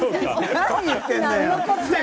何言ってんだよ。